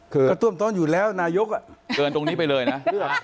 คือก็ท่วมต้นอยู่แล้วนายกเกินตรงนี้ไปเลยนะ